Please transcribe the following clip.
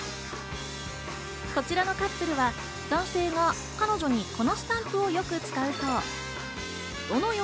こちらのカップルは、男性が彼女にこのスタンプをよく使うそう。